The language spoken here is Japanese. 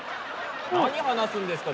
何話すんですか？